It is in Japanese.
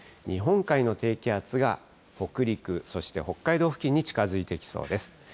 日本海の低気圧が北陸、そして北海道付近に近づいてきそうです。